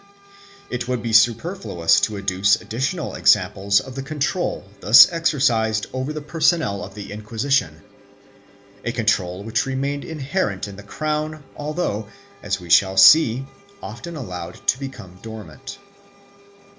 2 It would be superfluous to adduce additional examples of the control thus exercised over the personnel of the Inquisition — a control which remained inherent in the crown although, as we shall see, often allowed to become dormant.